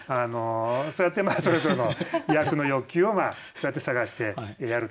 そうやってそれぞれの役の欲求をそうやって探してやるという感じですね。